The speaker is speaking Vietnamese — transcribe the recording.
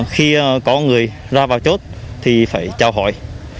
khi có người ra vào chốt thì phải trao hỏi